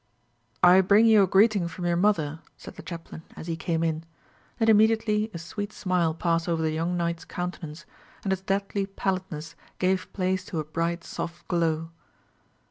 "I bring you a greeting from your mother," said the chaplain as he came in; and immediately a sweet smile passed over the young knight's countenance, and its deadly pallidness gave place to a bright soft glow.